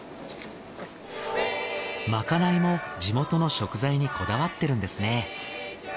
まかないも地元の食材にこだわってるんですね。